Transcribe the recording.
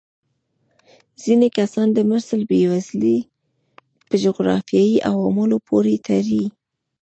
ځینې کسان د مصر بېوزلي په جغرافیايي عواملو پورې تړي.